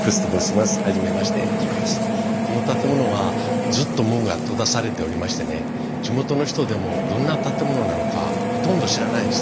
この建物はずっと門が閉ざされておりましてね地元の人でもどんな建物なのかほとんど知らない人が多いんです。